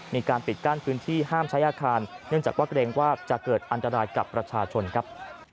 มีการปิดกั้นพื้นที่ห้ามใช้อาคารเนื่องจากว่าเกรงว่าจะเกิดอันตรายกับประชาชนครับ